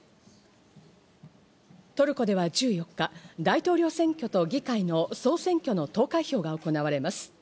トルコでは１４日、大統領選挙と議会の総選挙の投開票が行われます。